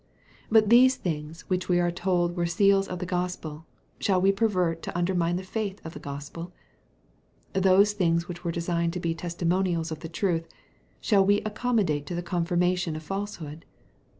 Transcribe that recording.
" But those things which we are told were seals of the Gospel, shall we pervert to undermine the faith of the Gospel? Those things which were designed to be testimonials of the truth, shall we accommodate to the confirmation of falsehood?